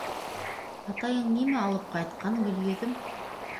— Атайың нимә алып ҡайтҡан, Гөлйөҙөм?